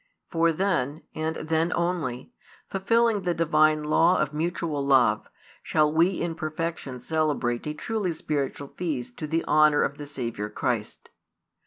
For then, and then only, fulfilling the Divine law of mutual love, shall we in perfection celebrate a truly spiritual feast to the honour of the Saviour Christ.